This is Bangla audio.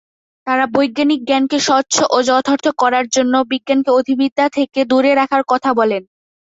তারা বৈজ্ঞানিক জ্ঞানকে স্বচ্ছ ও যথার্থ করার জন্য বিজ্ঞানকে অধিবিদ্যা থেকে দূরে রাখার কথা বলেন।